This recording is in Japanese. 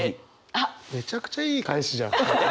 めちゃくちゃいい返しじゃん。